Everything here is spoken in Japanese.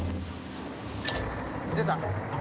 出た。